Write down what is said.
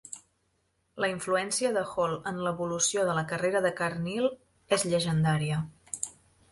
La influència de Hall en l'evolució de la carrera de Carneal és llegendària.